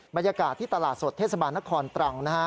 บรรยากาศที่ตลาดสดเทศบาลนครตรังนะฮะ